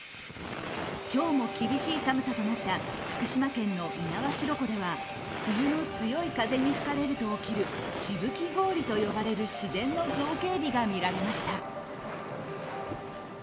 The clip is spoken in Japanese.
今日も厳しい寒さとなった福島県の猪苗代湖では冬の強い風に吹かれると起きるしぶき氷と呼ばれる自然の造形美が見られました。